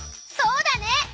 そうだね！